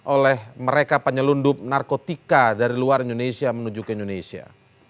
oleh mereka penyelundup narkotika dari luar indonesia menuju ke indonesia